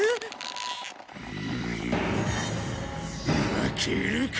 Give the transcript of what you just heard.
負けるか！